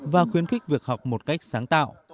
và khuyến khích việc học một cách sáng tạo